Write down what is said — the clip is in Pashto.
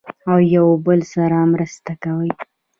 او یو بل سره مرسته کوي.